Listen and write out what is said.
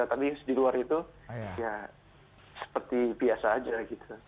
tapi kalau kita ke masjid masjid di luar itu ya seperti biasa aja gitu